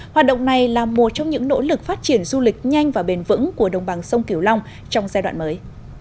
hoạt động này là một trong những nỗ lực phát triển du lịch nhanh và bền vững của đồng bằng sông kiều long trong giai đoạn mới